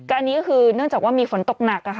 อันนี้ก็คือเนื่องจากว่ามีฝนตกหนักค่ะ